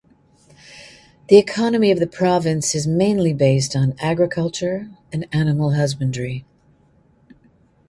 The economy of the province is mainly based on agriculture and animal husbandry.